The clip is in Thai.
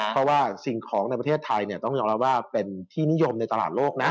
เพราะว่าสิ่งของในประเทศไทยต้องยอมรับว่าเป็นที่นิยมในตลาดโลกนะ